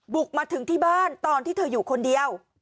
บุกมาถึงที่บ้านตอนที่เธออยู่คนเดียว